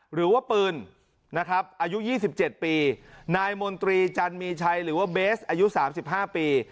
หรือว่าปืนนะครับอายุ๒๗ปีนายมนตรีจันมีชัยหรือว่าเบสอายุ๓๕ปี